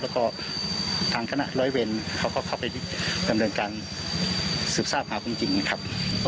แล้วก็ทางคณะร้อยเวรเขาก็เข้าไปดำเนินการสืบทราบหาความจริงนะครับ